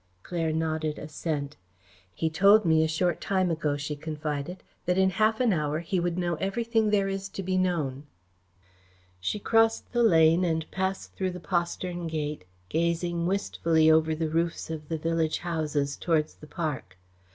Claire nodded assent. "He told me a short time ago," she confided, "that in half an hour he would know everything there is to be known." She crossed the lane and passed through the postern gate, gazing wistfully over the roofs of the village houses towards the park.